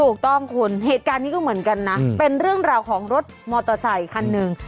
ถูกต้องคุณเหตุการณ์นี้ก็เหมือนกันนะเป็นเรื่องราวของรถมอเตอร์ไซคันหนึ่ง